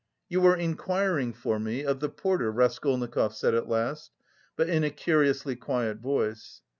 "You were inquiring for me... of the porter?" Raskolnikov said at last, but in a curiously quiet voice.